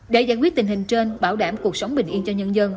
để giải quyết tình hình trên bảo đảm cuộc sống bình yên cho nhân dân